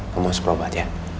kamu harus berobat ya